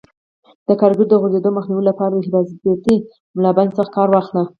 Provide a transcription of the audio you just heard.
د کاریګرو د غورځېدو مخنیوي لپاره حفاظتي ملابند څخه کار واخلئ.